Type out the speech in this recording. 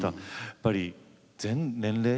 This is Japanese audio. やっぱり全年齢